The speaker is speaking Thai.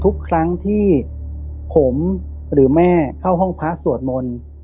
ทุกครั้งที่ผมหรือแม่เข้าห้องพระสวดมนต์